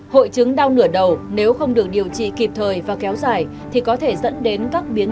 hội chứng đau nửa đầu nếu không được điều trị kịp thời và kéo dài thì có thể dẫn đến các biến